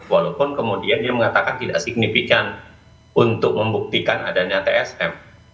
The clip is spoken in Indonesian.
walaupun kemudian dia mengatakan tidak signifikan untuk membuktikan adanya tsm